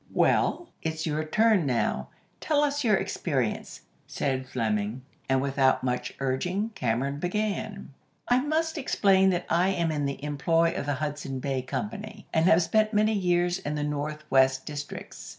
"Well, it's your turn now; tell us your experience," said Fleming, and without much urging Cameron began. "I must explain that I am in the employ of the Hudson Bay Company, and have spent many years in the North west districts.